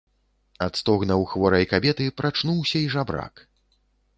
Ад стогнаў хворай кабеты прачнуўся і жабрак.